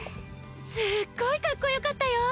すっごいかっこよかったよ。